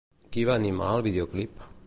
Qui va animar el videoclip?